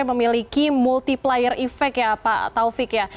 memiliki multiplier effect ya pak taufik ya